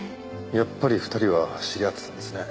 やっぱり２人は知り合ってたんですね。